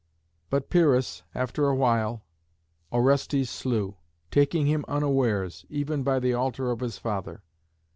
But Pyrrhus, after awhile, Orestes slew, taking him unawares, even by the altar of his father.